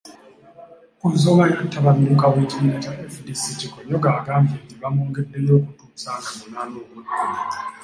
Ku nsonga ya tabamiruka w'ekibiina kya FDC, Kikonyogo agambye nti bamwongeddeyo okutuusa nga munaana ogw'ekumi.